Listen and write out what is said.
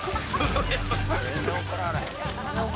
全然怒らへん。